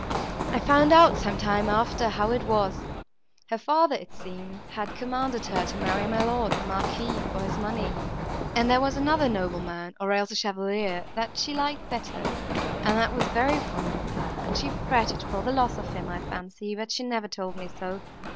I found out, some time after, how it was. Her father, it seems, had commanded her to marry my lord, the Marquis, for his money, and there was another nobleman, or else a chevalier, that she liked better and that was very fond of her, and she fretted for the loss of him, I fancy, but she never told me so.